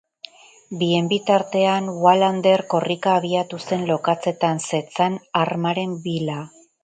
Bien bitartean, Wallander korrika abiatu zen lokatzetan zetzan armaren bila.